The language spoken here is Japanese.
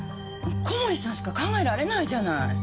小森さんしか考えられないじゃない。